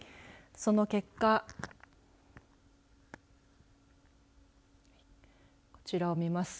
その結果こちらを見ます。